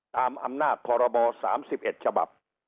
ตามอำนาจพรบ๓๑ฉบับ